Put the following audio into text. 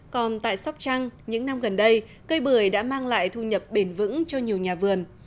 còn tại sóc trăng những năm gần đây cây bưởi đã mang lại thu nhập bền vững cho nhiều nhà vườn